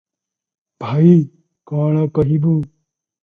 ଭାଇ, କଣ କହିବୁଁ!